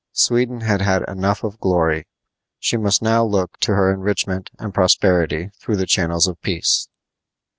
Sweden had had enough of glory; she must now look to her enrichment and prosperity through the channels of peace.